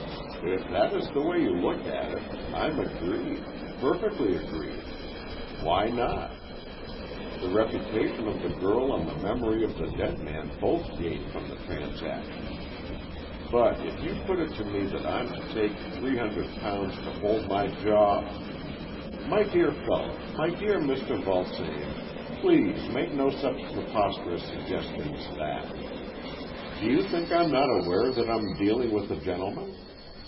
"If that is the way you look at it, I'm agreed — perfectly agreed. Why not? The reputation of the girl and the memory of the dead man both' gain from the transaction. But if you put it to me that I'm to take three hundred pounds to hold my jaw " AN EXCHANGE OF SOULS 121 " My dear fellow, my dear Mr. Vulsame, please make no such preposterous sugges tion as that. Do you think Fm not aware that Fm dealing with a gentleman